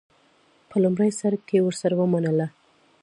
په لومړي سر کې ورسره ومنله.